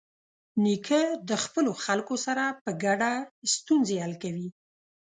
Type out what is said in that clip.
نیکه د خپلو خلکو سره په ګډه ستونزې حل کوي.